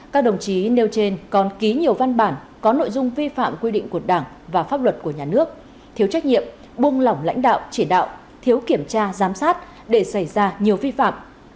các đồng chí nêu trên còn ký nhiều văn bản có nội dung vi phạm quy định của đảng và pháp luật của nhà nước thiếu trách nhiệm buông lỏng lãnh đạo chỉ đạo thiếu kiểm tra giám sát để xảy ra nhiều vi phạm